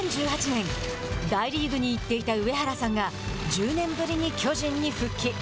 ２０１８年大リーグに行っていた上原さんが１０年ぶりに巨人に復帰。